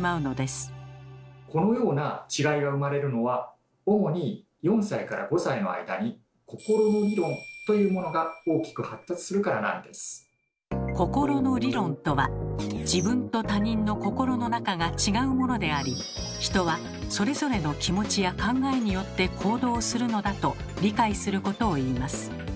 このような違いが生まれるのは心の理論とは自分と他人の心の中が違うものであり人はそれぞれの気持ちや考えによって行動するのだと理解することをいいます。